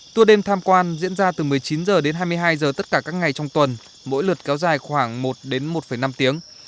tua đêm tham quan diễn ra từ một mươi chín h đến hai mươi hai h tất cả các ngày trong tuần mỗi lượt kéo dài khoảng một đến một năm tiếng